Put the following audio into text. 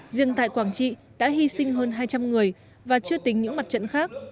riêng tại quảng trị đã hy sinh hơn hai trăm linh người và chưa tính những mặt trận khác